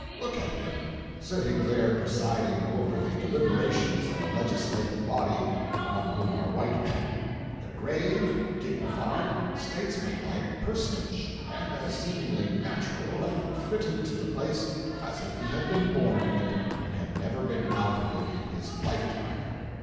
Look at him, sitting there presiding over the deliberations of a legislative body, among whom are white men—a grave, dignified, statesmanlike personage, and as seemingly natural and fitted to the place as if he had been born in it and had never been out of it in his life time.